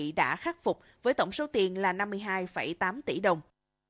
chỉ được khắc phục bằng tổng số tiền đến năm mươi năm ba tỷ đồng